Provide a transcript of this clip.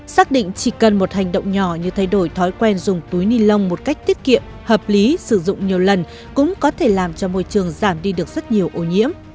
xác định chỉ cần một hành động nhỏ như thay đổi thói quen dùng túi ni lông một cách tiết kiệm hợp lý sử dụng nhiều lần cũng có thể làm cho môi trường giảm đi được rất nhiều ô nhiễm